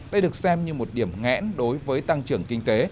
đây được xem như một điểm ngẽn đối với tăng trưởng kinh tế